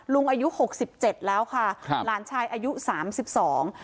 ลุงอายุหกสิบเจ็ดแล้วค่ะครับหลานชายอายุสามสิบสอง